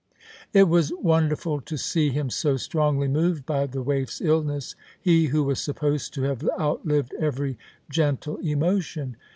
It was wonderful to see him so strongly moved by the waif's illness, he who was supposed to have outlived every gentle emotion.